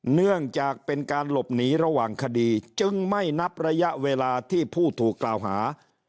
เนื่องจากเป็นการหลบหนีระหว่างคดีจึงไม่นับระยะเวลาที่ผู้ถูกกล่าวหา